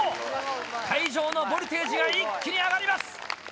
会場のボルテージが一気に上がります！